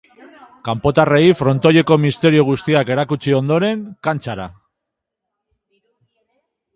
Kanpotarrei frontoieko misterio guztiak erakutsi ondoren, kantxara.